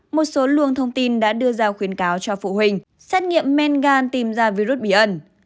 một số luồng thông tin đã đưa ra khuyến cáo cho phụ huynh xét nghiệm men gan tìm ra virus bí ẩn